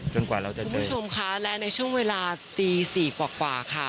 คุณผู้ชมคะและในช่วงเวลาตี๔กว่า